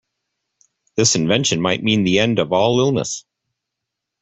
This invention might mean the end of all illness.